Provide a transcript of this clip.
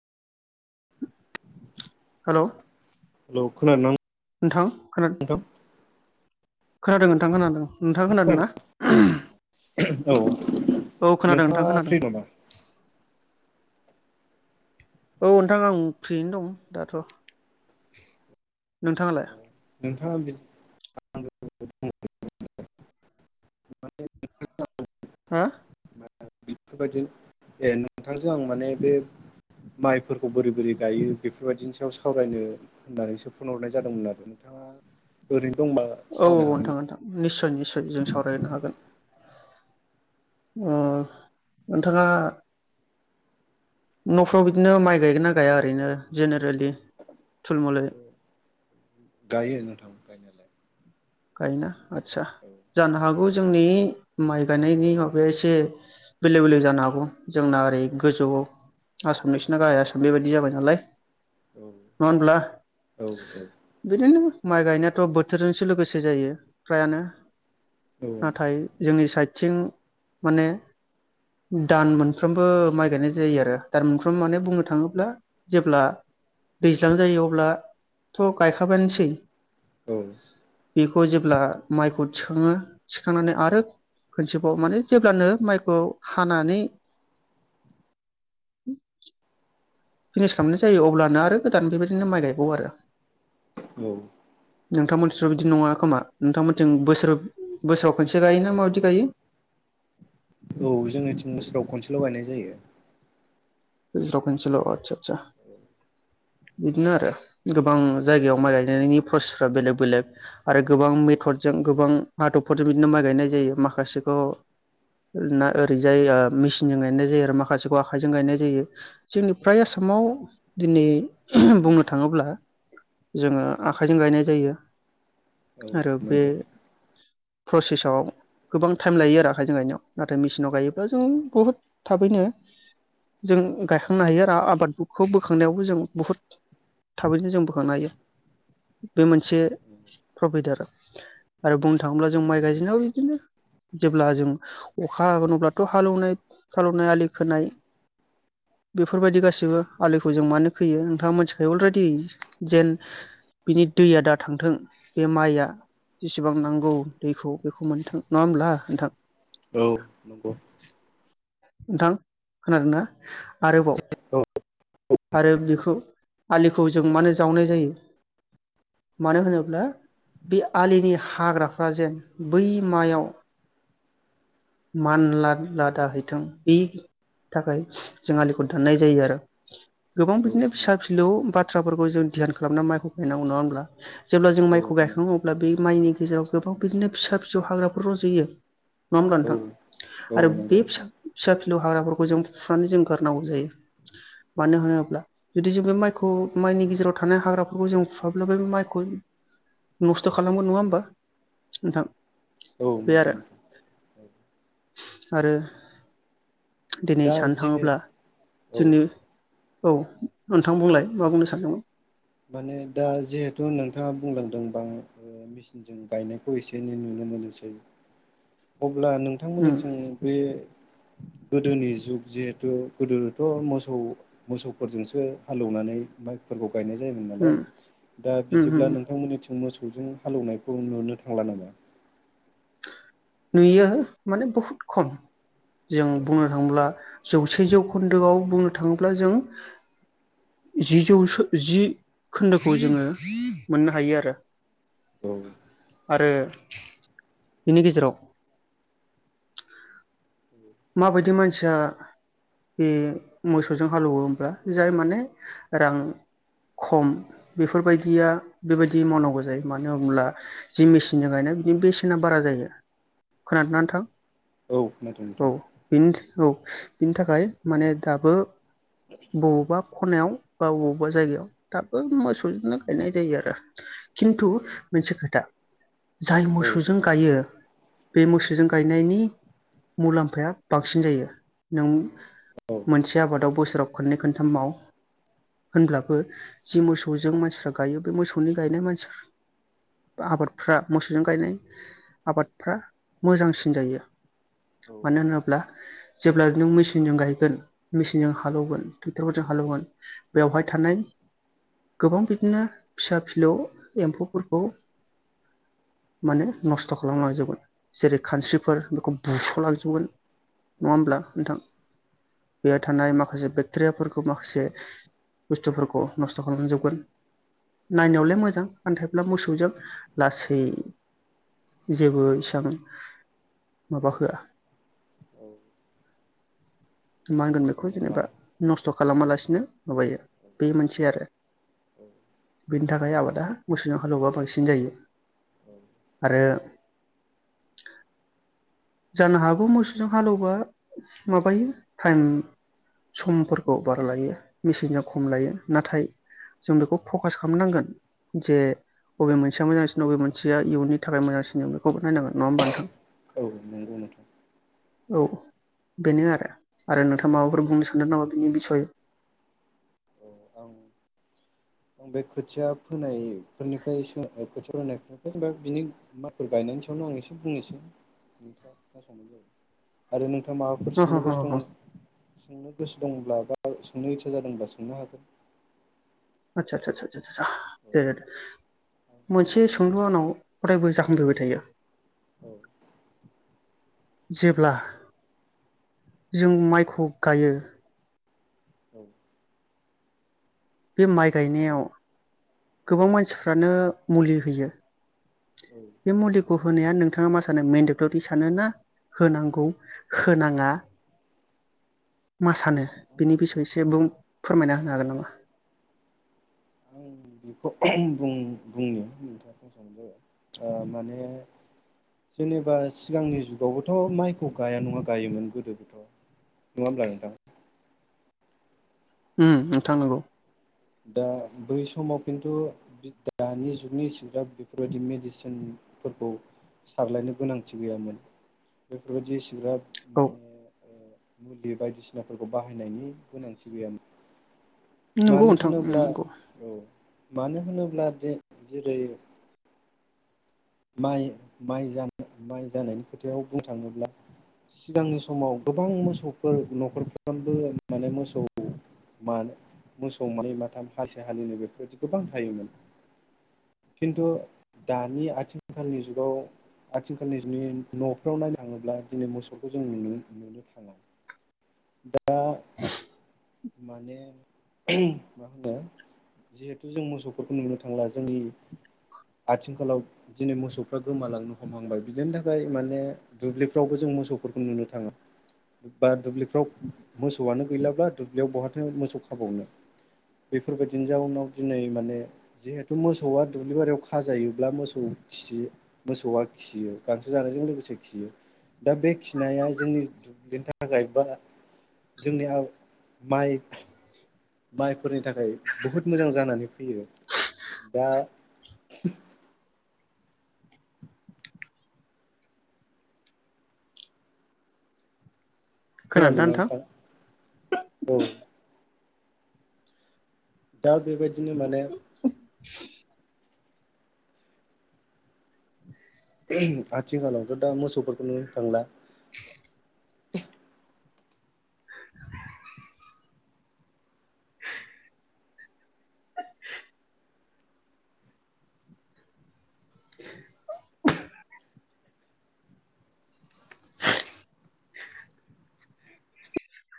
Hello लौ खोनादों ना नों नोंथां खोना खोनादों नोंथां खोनादों नोंथांङा खोनादों ना? औ औ खोनादों नोंथां नोंथाङा खोनादों फ्रि नामा औ नोंथां आं फ्रियैनो दं दाथ। नोंथाङालाय नोंथाङा [inaudible] हा? बेफोरबायदिनो ए नोंथांजों आं माने बे माइफोरखौ बोरै बोरै गायो बेफोरबायदिनि सायाव सावरायनो होननानैसो फन हरनाय जादोंमोन आरो नोंथाङा ओरैनो दंबा सावरायनो हागोन। नि सय निसय जों सावरायनो हागोन। अ नोंथाङा नफ्राव बिदिनो माइ गायगोन ना गाया ओरैनो जेनेरेलि थुलमलै? गायो नोंथां गायनायालाय गायो ना आदसा औ जानो हागौ जोंनि माइ गायनायनि माबाया एसे बेलेक बेलेक जानो हागौ जोंना ओरै गोजौ आसामनि नोंसिना गाहाय आसाम बेबायदि जाबाय नालाय औ नंङा होनब्ला? औ बिदिनो माइ गायनायाथ बोथोरजोंसो लोगोसे जायो फ्रायानो औ नाथाय जोंनि साइद थिं माने दान मोनफ्रोमबो माइ गायनाय जायो आरो दान मोनफ्रोमबो माने बुंनो थाङोब्ला जेब्ला दैज्लां जायो अब्लाथ' गायखाबायानोसै औ बेखौ जेब्ला माइखौ थिखाङो थिखांनानै आरो खनसेबाव माने जेब्लानो माइखौ हानानै फिनिस खालामनाय जायो अब्लानो आरो गोदान बेबायदिनो माइ गायबावो आरो औ नोंथांमोनथिंथ बिदि नङा खोमा नोंथांमोनथिं बोसोर बोसोराव खनसे गायो ना माबायदि गायो? औ जोंनिथिं बोसोराव खनसेल' गायनाय जायो। बोसोराव खनसेल' आदसा आदसा बिदिनो आरो गोबां जायगायाव माइ गायनायनि प्रसेसफ्रा बेलेग बेलेग आरो गोबां मेथदजों गोबां आदबफोरजों बिदिनो माइ गायनाय जायो माखासेखौ ना ओरैजाय ओ मिसिनजों गायनाय जायो आरो माखासेखौ आखाइजों गायनाय जायो जोंनि फ्राय आसामाव दिनै बुंनो थाङोब्ला जोंङो आखाइजों गायनाय जायो। औ आरो बे नंगौ प्रसेसआव गोबां टाइम लायो आरो आखाय जों गायनायाव नाथाय मिसिनाव गायोब्ला जों बुहुद थाबैनो जों गायखांनो हायो आरो आ-आबादखौ बोखांनायावबो जों बुहुद थाबैनो जों बोखांनो हायो बे मोनसे प्रफिद आरो आरो बुंनो थाङोब्ला जों माइ गायजेननायाव बिदिनो जेब्ला जों अखा हागोन अब्लाथ' हालौनाय थालौनाय आलि खोनाय बेफोरबायदि गासैबो आलिखौ जों मानो खोयो नोंथाङा मोनथिखायो अलरेडि जेन बिनि दैया दा थांथों बे माइआ जेसेबां नांगौ दैखौ बेखौ मोनथों। नङा होमब्ला नोंथां? औ नंगौ नोंथां खोनादों ना? आरोबाव औ आरो बेखौ आलिखौ जों मानो जावनाय जायो मानो होनोब्ला बे आलिनि हाग्राफ्रा जेन बै मायाव मानलादलादाहै थों बे थाखाय जों आलिखौ दाननाय जायो आरो गोबां औ बिदिनो फिसा नंगौ फिलौ बाथ्राफोरखौ जों धियान खालामना माइखौ गायनांगौ नङा होनब्ला जेब्ला जों औ माइखौ गायखाङो अब्ला बे माइनि गेजेराव गोबां बिदिनो फिसा फिसौ हाग्राफोर रजयो। नङा होमब्ला औ नोंथां? आरो नंगौ बे फिसा फिसा फिलौ हाग्राफोरखौ जों फुनानै जों गारनांगौ जायो मानो होनोब्ला जुदि जों बे माइखौ माइनि गेजेराव थानाय हाग्राफोरखौ जों फुवाब्ला बे माइखौ नस्थ' खालामगोन। नङा होमबा नोंथां? औ बे नोंगौ आरो नोंथां। आरो दिनै दा सनो जिहे थाङोब्ला औ जोंनि औ नोंथां बुंलाय मा बुंनो सानदोंमोन? माने दा जिहेथु नोंथाङा बुंलांदोंबा मिसिनजों गायनायखौ एसे एनै नुनो मोनोसै अब्ला उम नोंथांमोननिथिं बे गोदोनि जुग जिहेथु गोदोथ मोसौ मोसौफोरजोंसो हालौवनानै माइफोरखौ गायनाय जायोमोन नालाय उम दा उम बिदिब्ला उम नोंथां मोननिथिं मोस मोसौजों हालौवनायखौ नुनो थांला नामा? नुयो माने बहुद खम जों औ बुंनो थाङोब्ला जौसे जौखोन्दोआव बुंनो थाङोब्ला जों जि जौसो जि खोन्दोखौ जोङो मोननो हायो आरो औ आरो बिनि गेजेराव माबायदि मानसिया उम मोसौजों हालौवो होमब्ला जाय माने रां खम बेफोरबायदिया बेबायदि मावनांगौ जायो मानो होनब्ला जि मिसिनजों गायनाय बिनि बेसेना बारा जायो खोनादो औ नोंथां औ खोनादों औ नोंथां? बिनि औ बिनि थाखाय माने दाबो बबावबा खनायाव बा बबावबा जायगायाव दाबो मोसौजोंनो गायनाय जायो आरो औ खिन्थु मोनसे खोथा जाय औ मोसौजों गायो बे मोसौजों गायनायनि मुलाम्फाया बांसिन जायो नों औ मोनसे आबादाव बोसोराव खननै खनथाम माव होनब्लाबो जि मोसौजों मानसिफ्रा गायो बे मोसौनि गायनाय मानसिफ्रा आबादफ्रा मोसौजों गायनाय आबादफ्रा मोजांसिन जायो। औ मानो होनोब्ला जेब्ला नों मिसिनजों गायगोन मिसिनजों हालौवगोन ट्रेक्टरफोरजों हालौवगोन बेवहाय थानाय गोबां बिदिनो फिसा फिलौ एम्फौफोरखौ माने नस्थ खालामलांजोबगोन जेरै औ खानस्रिफोर बेखौ बुस लांजोबगोन नङा होमब्ला नोंथां? बेहाय थानाय माखासे बेक्टेरियाफोरखौ माखासे बुस्थुफोरखौ नस्थ खालामजोबगोन औ नायनायावलाय मोजां आन्थाइ मोसौजों लासै जेबो इसां माबाहोआ औ माहोनगोन नंगौ बेखौ नोंथां जेनेबा नस्थ खालामालासिनो माबायो बे मोनसे आरो बेनि थाखाय आबादा मोसौजों हालेवबा बांसिन जायो आरो जानो औ हागौ मोसौजों हालौवबा माबायो टाइम समफोरखौ बारा लायो मेसिनजों खम लायो नाथाय जों बेखौ फकास खालामनांगोन जे बबे मोनसेया मोजांसिन बबे मोनसेया इयुननि थाखाय मोजांसिन जों बेखौ नायनांगोन नङा होमबा नोंथां औ नोंगौ नोंथां औ बेनो आरो आरो नोंथाङा माबाफोर बुंनो सानदों नामा बिनि बिसय औ आं आं बे खोथिया फोनाय फोरनिफ्राय फोनायफोरनिफ्राय जेनेबा बिनि माइफोर गायनायनि सायावनो आं एसे बुंनोसै नोंथाङा खोनासंनाय जाबाय आरो नोंथ माबाफोर ह ह सोंनो ह गोसो ह दं सोंनो गोसो दंब्ला बा सोंनो इसा जादोंब्ला सोंनो हागोन आदसा आदसासा दे। मोनसे सोंलु आनाव अरायबो जाखांबोबाय थायो। औ जेब्ला जों माइखौ गायो। औ। बे माइ गायनायाव गोबां मानसिफ्रानो मुलि होयो। औ आं बे मुलिखौ होनाया नोंथाङा मा सानो मेन्डेटरि सानो ना होनांगौ होनाङा मा सानो बिनि बिसयससे फोरमायना होनो हागोन नामा? आं बेखौ बुंनो नोंथाङा बुंसावनाय जाबाय माने जेनेबा। सिगांनि जुगावबोथ'। माइखौ गाया नङा गायोमोन गोदोबोथ' नङा होमब्ला नोंथां? नोंथां नंगौ दा बै समाव खिन्थु दानि जुगनि इसिग्राब बेफोरबायदि मेडिसिनफोरखौ सारलायनो गोनांथि गैयामोन बेफोरबायदि इसिग्राब औ माने मुलि बायदिसिनाफोरखौ बाहायनायनि गोनांथि गैयामोन। नंगौ मानो नोंथां ओ होनोब्ला नंगौ औ मानो होनोब्ला जे जेरै। माइ माइ जान माइ जानायनि खोथायाव बुंनो थाङोब्ला सिगांनि समाव गोबां मोसौफोर न'खरफ्रबो माने मोसौ मानो मोसौ मानै माथाम हालसे हालिनै बेफोरबायदि गोबां थायोमोन खिन्थु दानि आथि आथिखालनि जुगाव आथिखालनि जुनि न'फ्राव नायनो थाङोब्ला दिनै मोसौखौ जों न नुनो थाङा दा माने मा होनो जिहेथु जों मोसौफोरखौ नुनो थांला जोंनि आथिंखालाव दिनै मोसौफ्रा गोमालांनो हमहांबाय बिदिनि थाखाय माने दुब्लिफ्रावबो जों मोसौफोरखौ नुनो थाङो बा दुब्लिफ्राव मोसौआनो गैलाब्ला दुब्लियाव बहाथों मोसौ खाबावनो बेफोरबायदिनि जाउनाव दिनै माने जिहेथु मोसौआ दुब्लि बारियाव खाजायोब्ला मोसौ मोसौ खियो मोसौआ खियो गांसो जानायजों लोगोसे खियो दा बे खिनाया जोंनि दुब्लिनि थाखाय बा जोंनि माइ माइफोरनि थाखाय बहुद मोजां जानानै फैयो दा खोनादों ना नोंथां औ दा बेबायदि [inaudible] आथिखालावथ' दा मोसौफोरखौनो थांला।